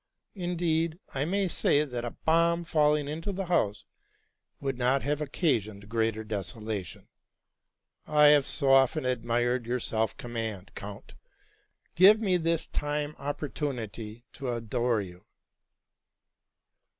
Indeed, I may say, that a bomb falling into the house would not have occasioned greater desolation. I have so often admired your self command, count: give me this time opportunity to adore you.